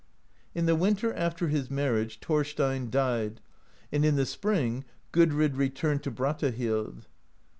In the winter after his marriage, Thorstein died, and in the spring, Gudrid returned to Brattahlid.